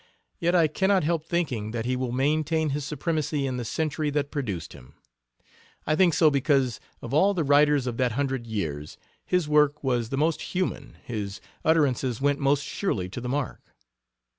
Yet I cannot help thinking that he will maintain his supremacy in the century that produced him. I think so because, of all the writers of that hundred years, his work was the most human his utterances went most surely to the mark.